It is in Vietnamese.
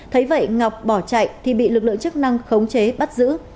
thấy vậy ngọc bỏ chạy thì bị lực lượng chức năng khống chế bắt giữ